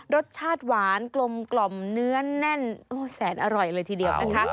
รสชาติหวานกลมกล่อมเนื้อแน่นแสนอร่อยเลยทีเดียวนะคะ